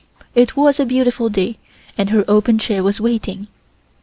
It was a beautiful day and her open chair was waiting.